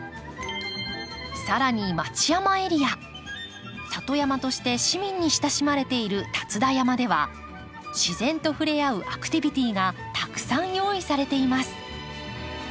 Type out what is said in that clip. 更に里山として市民に親しまれている立田山では自然と触れ合うアクティビティがたくさん用意されています。